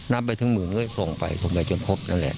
นำไปถึงหมื่นก็ส่งไปส่วนใหญ่จนพบนั่นแหละ